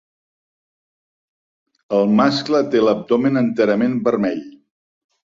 El mascle té l'abdomen enterament vermell.